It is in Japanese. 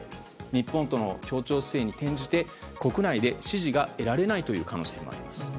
日本との協調姿勢に転じて国内で支持が得られないという可能性もあります。